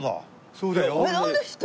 そうだよ。